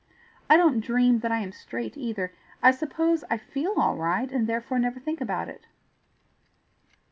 I don't dream that I am straight either; I suppose I feel all right, and therefore never think about it.